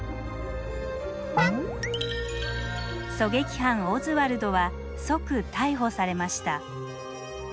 狙撃犯オズワルドは即逮捕されました。